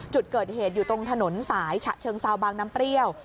จุดเกิดเหตุอยู่ตรงถนนสายฉะเชิงเซาบางน้ำเปรี้ยว